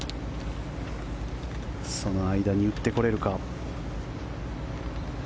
その間に打ってこれるか。